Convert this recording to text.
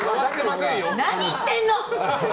何言ってるの！